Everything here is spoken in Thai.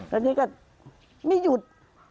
แล้วนี่ก็ไม่หยุด